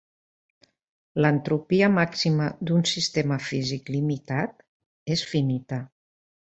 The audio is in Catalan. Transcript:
L'entropia màxima d'un sistema físic limitat és finita.